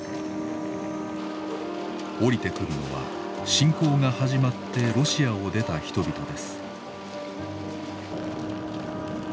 降りてくるのは侵攻が始まってロシアを出た人々です。